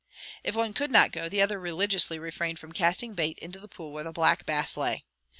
If one could not go, the other religiously refrained from casting bait into the pool where the Black Bass lay.